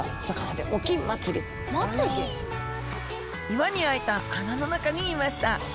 岩に開いた穴の中にいました。